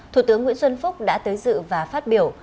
thủ tướng nguyễn xuân phúc đã tới dự và phát biểu